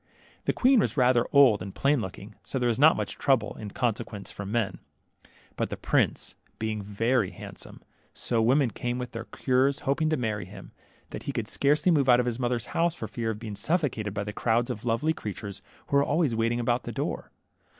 The queen was rather old and plain looking, so there was not much trouble, in consequence, from men ; but the prince being very handsome, so many women came with their cures, hoping to marry him, that he could scarcely move out of his mother's house for fear of being suffocated by the crowds of lovely creatures who were always waiting about the door.